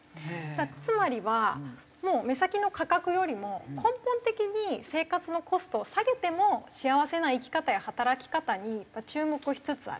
つまりはもう目先の価格よりも根本的に生活のコストを下げても幸せな生き方や働き方に注目しつつある。